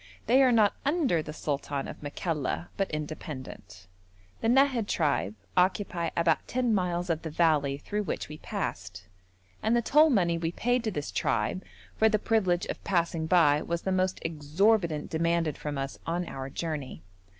They are not under the sultan of Makalla, but independent. The Nahad tribe occupy about ten miles of the valley through which we passed, and the toll money we paid to this tribe for the privilege of passing by was the most exorbitant demanded from us on our journey.